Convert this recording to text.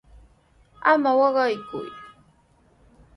¡Ama waqayku!